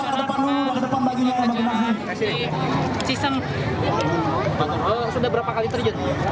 rekor terakhir sekitar enam ratus an